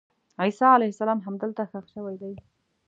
عیسی علیه السلام همدلته ښخ شوی دی.